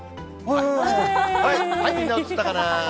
みんな映ったかな？